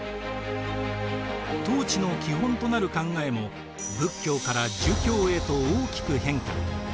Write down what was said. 統治の基本となる考えも仏教から儒教へと大きく変化。